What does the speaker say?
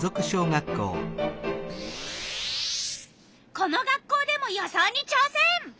この学校でも予想にちょうせん！